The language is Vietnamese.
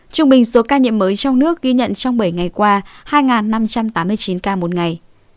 trung bình số ca nhiễm mới trong nước ghi nhận trong bảy ngày qua hai năm trăm tám mươi chín ca một ngày